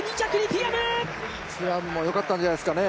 ティアムもよかったんじゃないですかね。